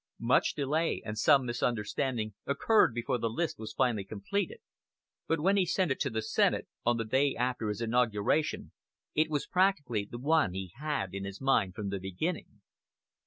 Much delay and some misunderstanding occurred before the list was finally completed: but when he sent it to the Senate, on the day after his inauguration, it was practically the one he had in his mind from the beginning.